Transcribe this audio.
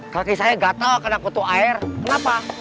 kaki saya gatel karena kutu air kenapa